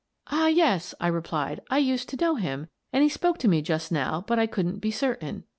" Ah, yes," I replied, " I used to know him, and he spoke to me just now, but I couldn't be certain."